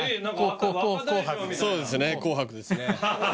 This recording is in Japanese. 紅白そうですね紅白ですね